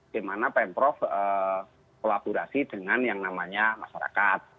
di mana pemprov kolaborasi dengan yang namanya masyarakat